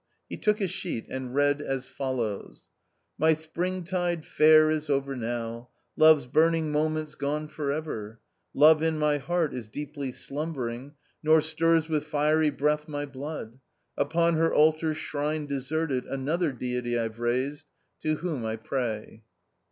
He took a sheet and read as follows :" My springtide fair is over now, Love s burning moment's gone for ever ; Love in my heart is deeply slumbering, Nor stirs with fiery breath my blood. Upon her altar shrine deserted Another deity I've raised, To whom I pray.'